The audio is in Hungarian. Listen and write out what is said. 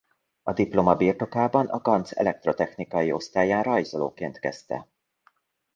A diploma birtokában a Ganz Elektrotechnikai Osztályán rajzolóként kezdte.